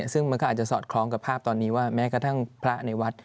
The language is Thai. ซึ่งมันก็อาจจะสอดคล้องกับภาพตอนนี้ว่าแม้กระทั่งพระในวัด